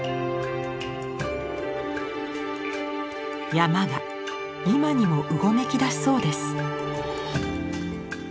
山が今にもうごめきだしそうです。